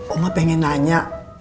oma pengen nanya